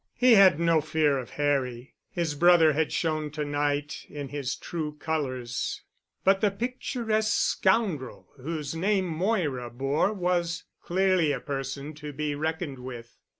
He had no fear of Harry. His brother had shown to night in his true colors, but the picturesque scoundrel whose name Moira bore was clearly a person to be reckoned with.